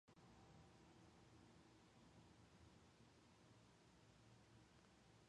The loose rope intertwined with the anchor signifies freedom.